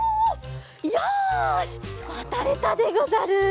わたれたでござる。